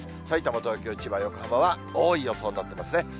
さいたま、東京、千葉、横浜は多い予想になってますね。